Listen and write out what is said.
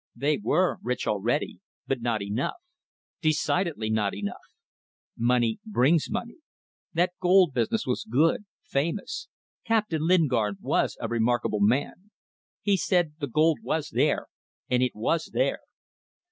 They were rich already; but not enough. Decidedly not enough. Money brings money. That gold business was good. Famous! Captain Lingard was a remarkable man. He said the gold was there and it was there.